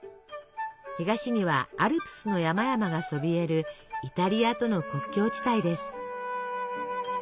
東にはアルプスの山々がそびえるイタリアとの国境地帯です。